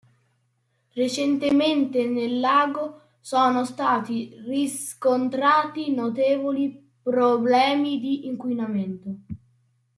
Recentemente nel lago sono stati riscontrati notevoli problemi di inquinamento.